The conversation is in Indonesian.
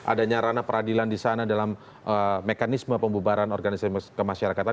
adanya rana peradilan disana dalam mekanisme pemubahan itu